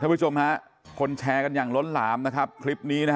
ผู้ชมฮะคนแชร์กันอย่างล้นหลามนะครับคลิปนี้นะฮะ